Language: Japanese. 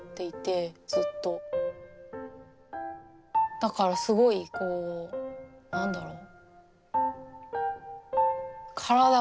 だからすごいこう何だろう。